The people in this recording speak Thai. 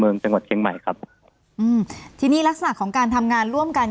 เมืองจังหวัดเชียงใหม่ครับผมอืมทีนี้ลักษณะของการทำงานร่วมกัน